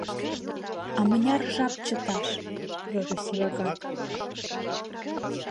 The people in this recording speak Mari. — А мыняр жап чыташ? — йодо Сивагат.